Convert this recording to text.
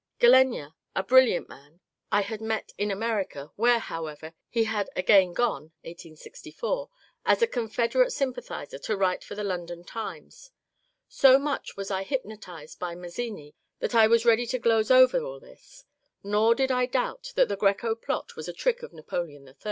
Gallenga — a brilliant man — I had GARIBALDI IN ENGLAND 69 met in America, where, however, he had again gone (1864) as a Confederate sympathizer to write for the London ^^ Times." So much was I hypnotized by Mazzini that I was ready to gloze over all this. Nor did I doubt that the Greco plot was a trick of Napoleon III.